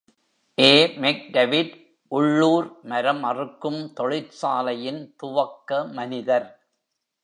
A. மெக்டவிட், உள்ளூர் மரம் அறுக்கும் தொழிற்சாலையின் துவக்க மனிதர்.